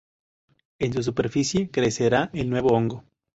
En su superficie crecerá el nuevo hongo.